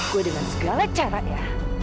kue dengan segala cara ya